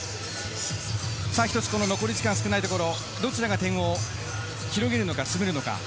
残り時間少ないところ、どちらが点を広げるのか詰めるのか。